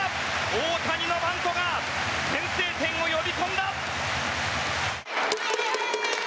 大谷のバントが先制点を呼び込んだ。